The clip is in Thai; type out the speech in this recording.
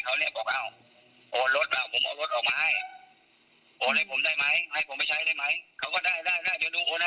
เขาบอกเออนี่หนูโอนเลยหนูโอนเลย